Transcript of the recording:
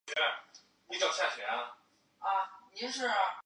锡达镇区为美国堪萨斯州考利县辖下的镇区。